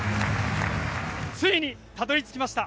ついにたどり着きました。